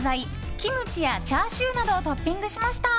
キムチやチャーシューなどをトッピングしました。